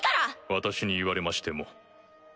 私に言われましても。